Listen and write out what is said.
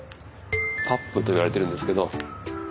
パップといわれているんですけど。